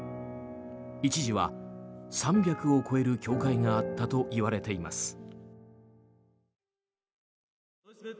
一時は３００を超える教会があったといわれています。